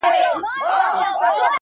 پرون زېری سو د سولي چا کرار پوښتنه وکړه؛